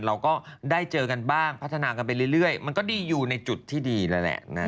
เราก็ได้เจอกันบ้างพัฒนากันไปเรื่อยมันก็ดีอยู่ในจุดที่ดีแล้วแหละนะ